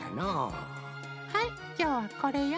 はいきょうはこれよ。